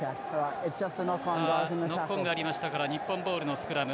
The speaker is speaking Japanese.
ノックオンがありまして日本ボールのスクラム。